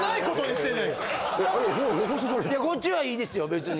こっちは良いですよ別に。